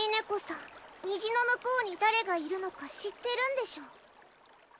虹の向こうに誰がいるのか知ってるんでしょ？